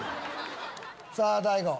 さぁ大悟。